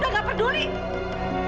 udah dong jangan ribut ya